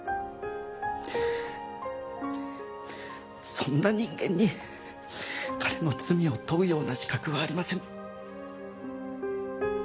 そんな人間に彼の罪を問うような資格はありません。